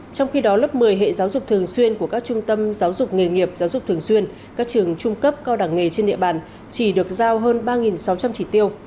trong khi đó lớp một mươi hệ giáo dục thường xuyên của các trung tâm giáo dục nghề nghiệp giáo dục thường xuyên các trường trung cấp cao đẳng nghề trên địa bàn chỉ được giao hơn ba sáu trăm linh chỉ tiêu